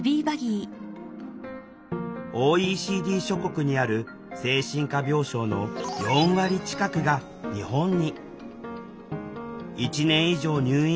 ＯＥＣＤ諸国にある精神科病床の４割近くが日本に。